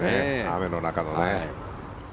雨の中のね。